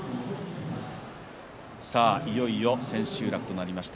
いよいよ千秋楽となりました。